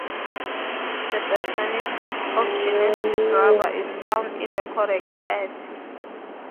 The best manuscript of Genesis Rabba is found in the Codex Add.